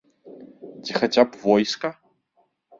Ці хаця б войска?